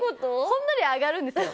ほんのり上がるんですよ。